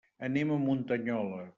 Anem a Muntanyola.